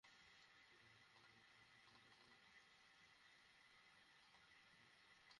আরে তোমরা বিছানা ছাড়ার সময়ই কোথায় দিলে?